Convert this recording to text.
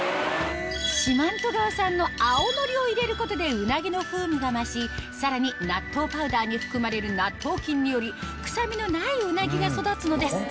四万十川産の青のりを入れることでうなぎの風味が増しさらに納豆パウダーに含まれる納豆菌により臭みのないうなぎが育つのです